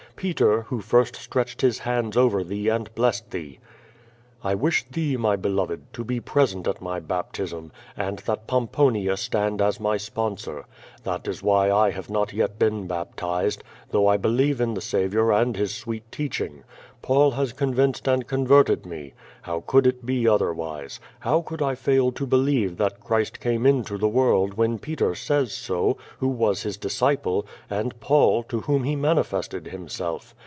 Peter who first stretched his hands over thee and blessed thee.' I wish thee, my beloved, to be present at my baptism, and that Pom ponia stand as my sponsor. That is why I have not yet been baptized, though! believe in the Saviour and His sweet teach ing. Paul has convinced and converted me. How could it be otherwise? How could I fail to believe that Christ came into the world when Peter says so, who was his disciple, and Paul, to whom he manifested Himself?